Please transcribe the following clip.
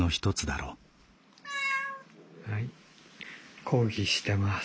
はい抗議してます。